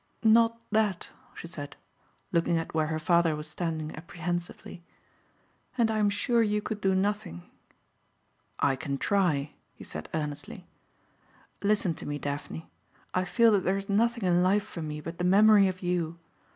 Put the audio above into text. "Not that," she said, looking at where her father was standing apprehensively. "And I'm sure you could do nothing." "I can try," he said earnestly. "Listen to me, Daphne. I feel that there is nothing in life for me but the memory of you.